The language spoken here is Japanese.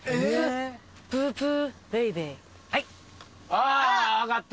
あ分かった。